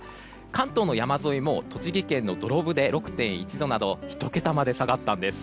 関東の山沿いも栃木県の土呂部で６．１度など１桁まで下がったんです。